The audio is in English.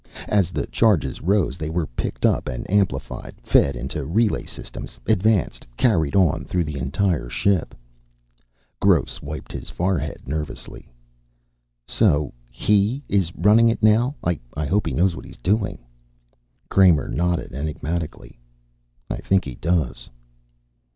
As the charges rose they were picked up and amplified, fed into relay systems, advanced, carried on through the entire ship Gross wiped his forehead nervously. "So he is running it, now. I hope he knows what he's doing." Kramer nodded enigmatically. "I think he does."